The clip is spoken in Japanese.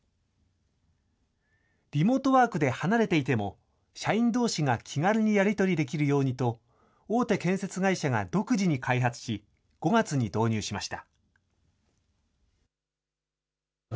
リモートワークで離れていても社員どうしが気軽にやり取りできるようにと、大手建設会社が独自に開発し、５月に導入しました。